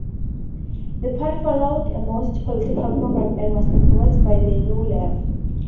The party followed a Maoist political program, and was influenced by the New Left.